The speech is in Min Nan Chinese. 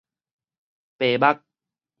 白目